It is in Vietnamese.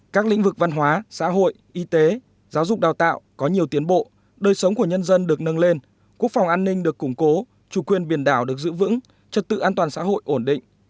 các lĩnh vực văn hóa xã hội y tế giáo dục đào tạo có nhiều tiến bộ đời sống của nhân dân được nâng lên quốc phòng an ninh được củng cố chủ quyền biển đảo được giữ vững trật tự an toàn xã hội ổn định